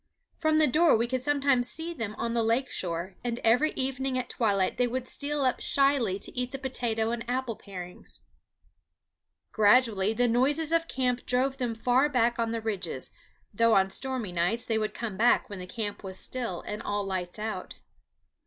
From the door we could sometimes see them on the lake shore, and every evening at twilight they would steal up shyly to eat the potato and apple parings. Gradually the noises of camp drove them far back on the ridges, though on stormy nights they would come back when the camp was still and all lights out.